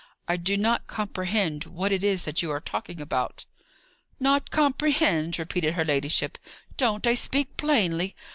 "I do not comprehend what it is that you are talking about." "Not comprehend!" repeated her ladyship. "Don't I speak plainly?